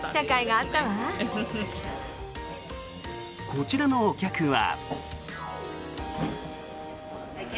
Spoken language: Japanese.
こちらのお客は。